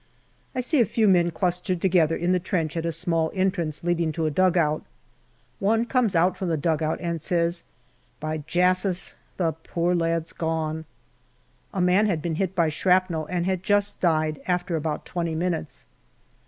I see a few men clustered together in the trench at a small entrance leading to a dugout. One comes out from the dugout, and says, " By Jasus ! the poor lad's gone/' A man had been hit by shrapnel, and had just died, after about twenty minutes.